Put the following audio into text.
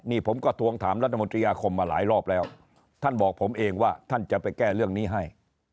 นี่ผมก็ทวงถามรัฐมนตรีอาคมมาหลายรอบแล้วท่านบอกผมเองว่าท่านจะไปแก้เรื่องนี้ให้